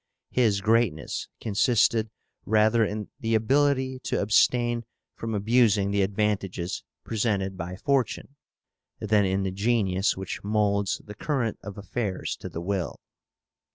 His greatness consisted rather in the ability to abstain from abusing the advantages presented by fortune, than in the genius which moulds the current of affairs to the will.